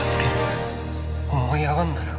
思い上がんなよ